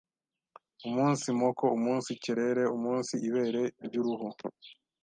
umunsi moko, umunsi kerere, umunsi ibere ry’uruhu,